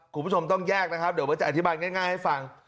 คุณผู้ชมต้องแยกนะครับเดี๋ยวเบิร์ตจะอธิบายง่ายให้ฟัง